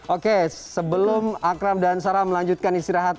oke sebelum akram dan sarah melanjutkan istirahat